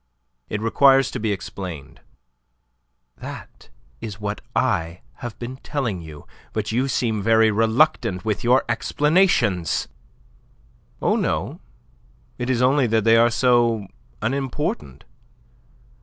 "It requires to be explained." "That is what I have been telling you. But you seem very reluctant with your explanations." "Oh, no. It is only that they are so unimportant.